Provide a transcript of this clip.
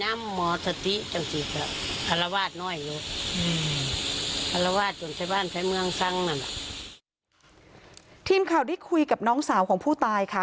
เมื่อคุยกับน้องสาวของผู้ตายค่ะ